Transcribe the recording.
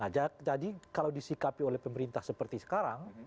jadi kalau disikapi oleh pemerintah seperti sekarang